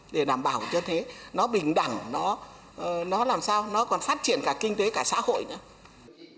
để đảm bảo cho thế nó bình đẳng nó nó làm sao nó còn phát triển cả kinh tế cả xã hội nữa